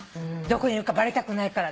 どこにいるかバレたくないからっつって。